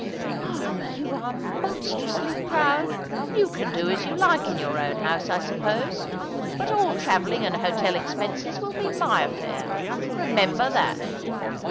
"Oh, you are monstrously proud. You can do as you like in your own house, I suppose. But all travelling and hotel expenses will be my affair, remember that."